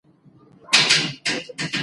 امیة بن الاسکر الکناني د خپل قوم مشر و،